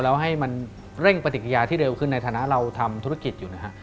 แล้วให้มันเร่งปฏิกิยาที่เร็วขึ้นในฐานะเราทำธุรกิจอยู่นะฮะ